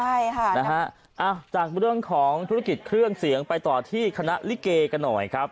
ใช่ค่ะนะฮะอ้าวจากเรื่องของธุรกิจเครื่องเสียงไปต่อที่คณะลิเกกันหน่อยครับ